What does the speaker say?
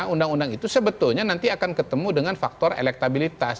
undang undang itu sebetulnya nanti akan ketemu dengan faktor elektabilitas